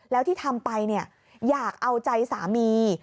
แล้วที่ทำไปอยากเอาใจสามี